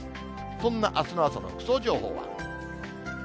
そんなあすの朝の服装情報は。